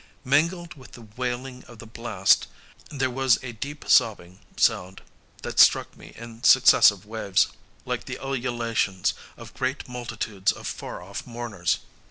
Mingled with the wailing of the blast, there was a deep sobbing sound that struck me in successive waves, like the ululations of great multitudes of far off mourners.